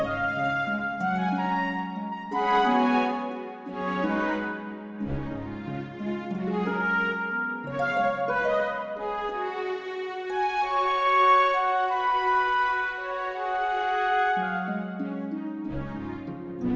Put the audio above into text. nanti aku teka